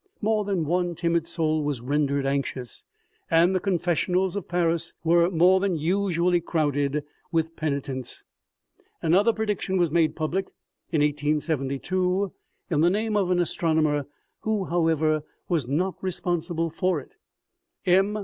More than one timid soul was rendered anxious, and the confessionals of Paris were more than usually crowded with penitents. Another prediction was made public in 1872, in the name of an astronomer, who, however, was not responsible for it M.